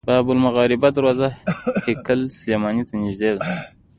باب المغاربه دروازه هیکل سلیماني ته نږدې ده.